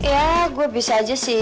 ya gue bisa aja sih